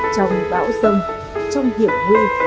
trong bão rông trong hiểm nguy